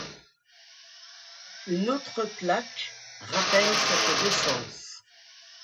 Une autre plaque rappelle cette naissance.